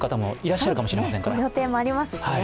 ご予定もありますしね。